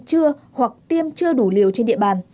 chưa hoặc tiêm chưa đủ liều trên địa bàn